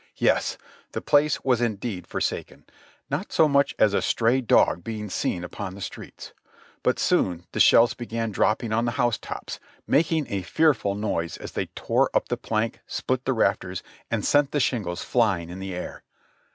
Yes, the place was indeed forsaken, not so much as a stray dog being seen upon the streets ; but soon the shells began dropping on the housetops, making a fearful noise as they tore up the plank, split the rafters, and sent the shingles flying in the air.